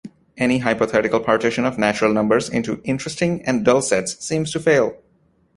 Any hypothetical partition of natural numbers into "interesting" and "dull" sets seems to fail.